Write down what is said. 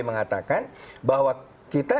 mengatakan bahwa kita